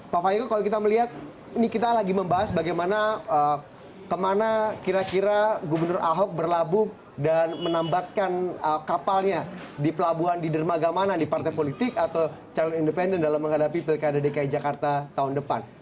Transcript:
pak fahil kalau kita melihat ini kita lagi membahas bagaimana kemana kira kira gubernur ahok berlabuh dan menambatkan kapalnya di pelabuhan di dermaga mana di partai politik atau calon independen dalam menghadapi pilkada dki jakarta tahun depan